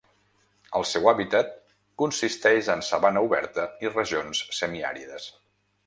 El seu hàbitat consisteix en sabana oberta i regions semiàrides.